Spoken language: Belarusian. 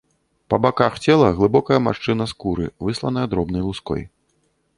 Па баках цела глыбокая маршчына скуры, высланая дробнай луской.